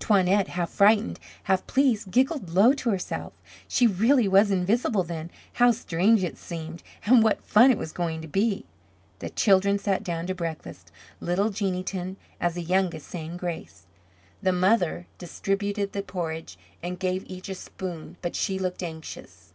Toinette, half frightened, half pleased, giggled low to herself. She really was invisible, then. How strange it seemed and what fun it was going to be. The children sat down to breakfast, little Jeanneton, as the youngest, saying grace. The mother distributed the porridge and gave each a spoon but she looked anxious.